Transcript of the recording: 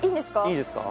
いいですか？